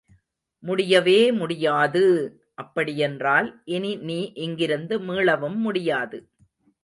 முடியவே முடியாது...! அப்படியென்றால் இனி நீ இங்கிருந்து மீளவும் முடியாது.